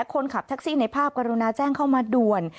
คนขับแท็กซี่ในภาพกรุณาแจ้งเข้ามาด่วน